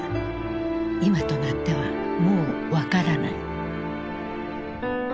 今となってはもう分からない。